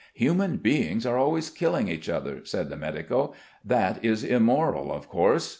"Human beings are always killing each other," said the medico. "That is immoral, of course.